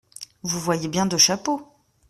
Vous voyez bien deux chapeaux !